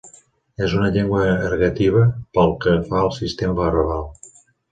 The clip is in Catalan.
És una llengua ergativa pel que fa al sistema verbal.